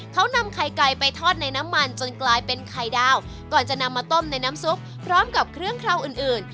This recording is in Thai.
เขานำไข่ไก่ไปทอดในน้ำมันจนกลายเป็นไข่ดาวก่อนจะนำมาต้มในน้ำซุปพร้อมกับเครื่องเคราวอื่นอื่น